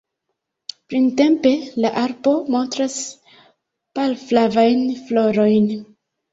Printempe la arbo montras pal-flavajn florojn.